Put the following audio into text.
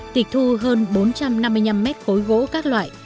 tịch thu hơn bốn trăm năm mươi năm mét khối gỗ các loại